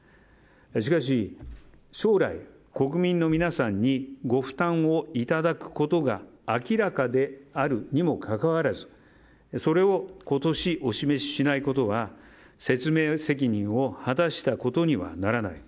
しかし、将来国民の皆さんにご負担をいただくことが明らかであるにもかかわらずそれを今年、お示ししないことは説明責任を果たしたことにはならない。